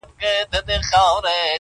چي مشر ئې ساوڼ وي لښکر ئې گوزاوڼ وي.